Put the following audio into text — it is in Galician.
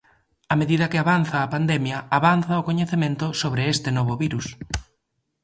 A medida que avanza a pandemia, avanza o coñecemento sobre este novo virus.